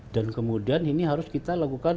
dan kemudian ini harus kita lakukan